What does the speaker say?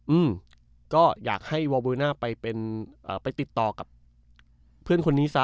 อืมก็อยากให้วอลบูน่าไปเป็นเอ่อไปติดต่อกับเพื่อนคนนี้ซะ